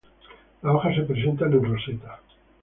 Las hojas se presentan en roseta.